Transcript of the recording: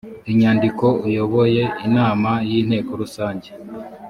inyandiko uyoboye inama y inteko rusange